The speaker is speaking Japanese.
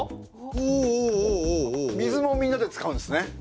水もみんなで使うんですね。